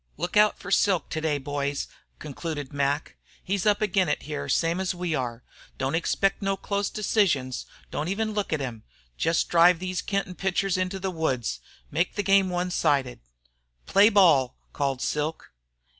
"Lookout for Silk today, boys," concluded Mac. "He's up agin it here, same as we are. Don't expect no close decisions. Don't even look at him. Jest drive these Kenton pitchers to the woods. Make the game one sided." "Play ball!" called Silk.